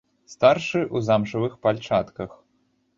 Старшы ў замшавых пальчатках.